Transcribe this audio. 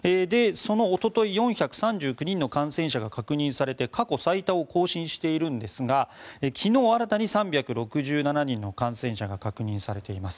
おととい４３９人の感染者が確認されて過去最多を更新しているんですが昨日新たに３６７人の感染者が確認されています。